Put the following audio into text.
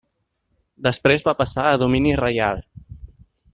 Després va passar a domini reial.